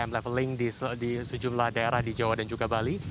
yang diperanjangan untuk ppkm leveling di sejumlah daerah di jawa dan juga bali